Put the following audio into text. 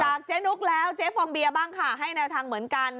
เจ๊นุกแล้วเจ๊ฟองเบียบ้างค่ะให้แนวทางเหมือนกัน